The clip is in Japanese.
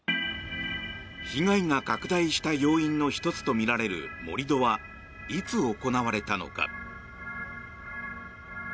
被害が拡大した要因の１つとみられる盛り土はいつ行われたのか。